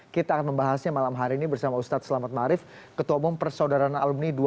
kita akan membahasnya malam hari ini bersama ustaz selamat marif ketua umum persaudaraan alumni dua ratus dua belas